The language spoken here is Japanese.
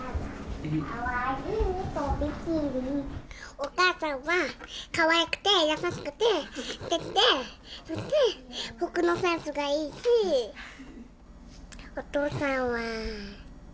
お母さんはかわいくて優しくて、すてきで、そして、服のセンスがいいし、お父さんは。